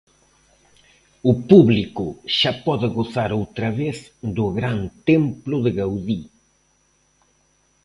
O público xa pode gozar outra vez do gran templo de Gaudí.